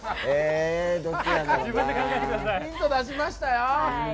どっちヒント出しましたよ。